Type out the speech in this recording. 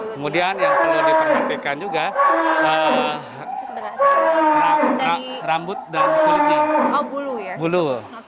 kemudian yang perlu diperhatikan juga rambut dan kulitnya bulu